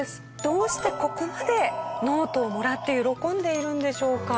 どうしてここまでノートをもらって喜んでいるんでしょうか？